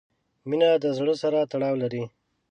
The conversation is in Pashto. • مینه د زړۀ سره تړاو لري.